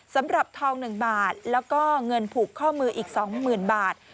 สำหรับทอง๑บาทแล้วก็เงินผูกข้อมืออีก๒๐๐๐บาท